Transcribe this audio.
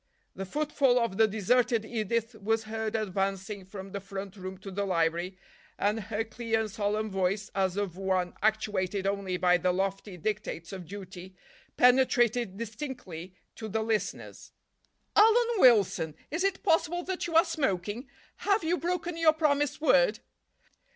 The footfall of the deserted Edith was heard advancing from the front room to the library, and her clear and solemn voice, as of one actuated only by the lofty dictates of duty, penetrated distinctly to the listeners. "Alan Wilson, is it possible that you are smoking? Have you broken your promised word?"